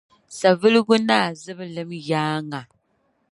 Savelugu Naa Zibilim yaaŋa